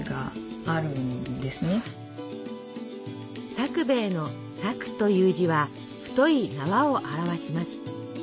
さくべいの「索」という字は太い縄を表します。